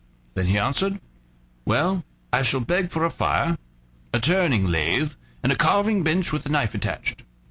Then he answered: "Well, I shall beg for a fire, a turning lathe, and a carving bench with the knife attached."